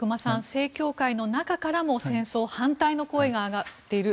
正教会の中からも戦争反対の声が上がっている。